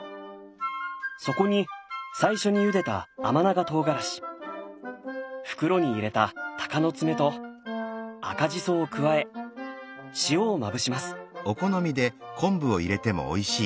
そこに最初にゆでた甘長唐辛子袋に入れたたかのつめと赤じそを加え塩をまぶします。